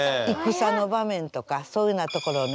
戦の場面とかそういうふうなところに。